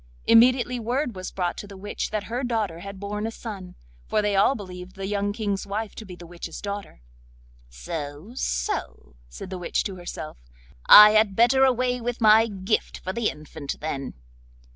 Immediately word was brought to the witch that her daughter had borne a son—for they all believed the young King's wife to be the witch's daughter. 'So, so,' said the witch to herself; 'I had better away with my gift for the infant, then.